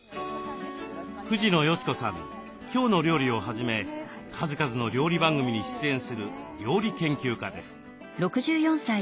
「きょうの料理」をはじめ数々の料理番組に出演する料理研究家です。